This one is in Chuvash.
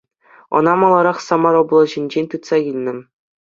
Ӑна маларах Самар облаҫӗнчен тытса килнӗ.